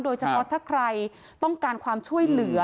โดยเฉพาะถ้าใครต้องการความช่วยเหลือ